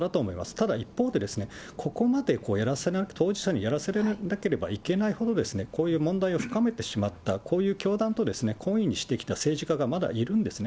ただ一方で、ここまで当事者にやらせなければいけないほど、こういう問題を深めてしまった、こういう教団と懇意にしてきた政治家がまだいるんですね。